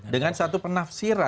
dengan satu penafsiran